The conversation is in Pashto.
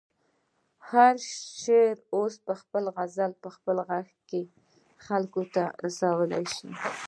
هر شاعر اوس خپل غزل په خپل غږ کې خلکو ته رسولی شي.